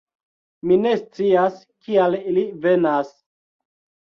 Mi ne scias, kial ili venas....